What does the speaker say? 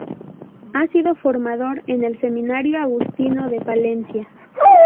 Ha sido formador en el seminario agustino de Palencia.